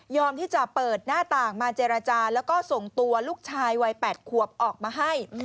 ที่จะเปิดหน้าต่างมาเจรจาแล้วก็ส่งตัวลูกชายวัย๘ขวบออกมาให้